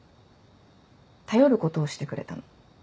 頼ることをしてくれたの。